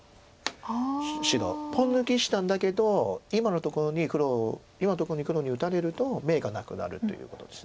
白ポン抜きしたんだけど今のところに黒今のところに黒に打たれると眼がなくなるということです。